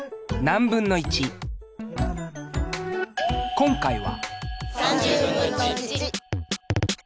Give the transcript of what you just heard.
今回は。